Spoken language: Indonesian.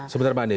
sebentar pak andi